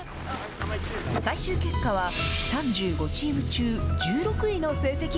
最終結果は、３５チーム中１６位の成績。